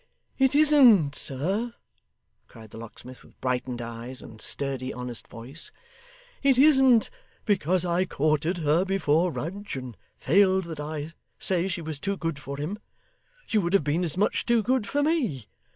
'It isn't, sir,' cried the locksmith with brightened eyes, and sturdy, honest voice; 'it isn't because I courted her before Rudge, and failed, that I say she was too good for him. She would have been as much too good for me.